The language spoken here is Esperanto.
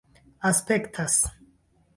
aspektas